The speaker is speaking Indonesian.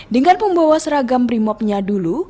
dengan pembawa seragam primopnya dulu